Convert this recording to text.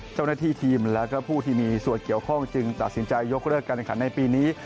เจ้าหน้าที่ทีมและผู้ที่มีส่วนเกี่ยวข้องจึงตัดสินใจยกเลิกการแข่งขันในปีนี้